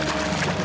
kamu dengerin aku